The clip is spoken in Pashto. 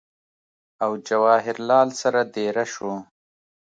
او جواهر لال سره دېره شو